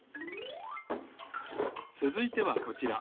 つづいてはこちら。